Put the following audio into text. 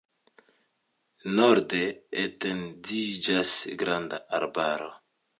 Norde etendiĝas granda arbaro.